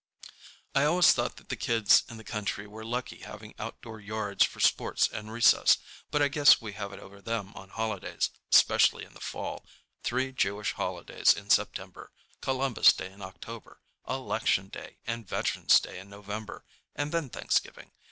I always thought the kids in the country were lucky having outdoor yards for sports and recess, but I guess we have it over them on holidays—'specially in the fall: three Jewish holidays in September, Columbus Day in October, Election Day and Veterans' Day in November, and then Thanksgiving.